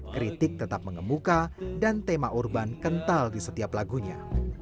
kritik tetap mengemuka dan tema urban kental di setiap lagunya